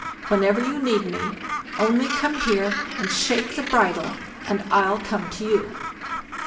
Whenever you need me, only come here and shake the bridle, and I'll come to you."